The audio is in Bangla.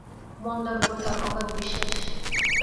মন্দার উপরে তাঁর অগাধ বিশ্বাস।